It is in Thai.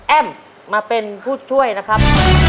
มาเป็นผู้ช่วยนะครับ